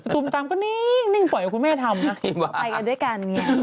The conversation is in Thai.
ตุ้มตามก็นิ่งปล่อยกับคุณแม่ทำ